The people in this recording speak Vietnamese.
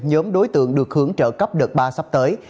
nhóm đối tượng được hưởng trợ cấp đợt ba sắp tới